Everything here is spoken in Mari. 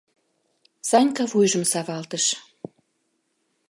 — Санька вуйжым савалтыш.